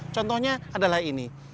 contohnya adalah ini